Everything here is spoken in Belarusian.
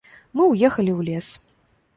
Мы ўехалі ў лес.